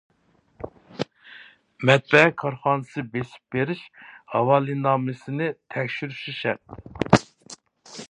مەتبەئە كارخانىسى بېسىپ بېرىش ھاۋالىنامىسىنى تەكشۈرۈشى شەرت.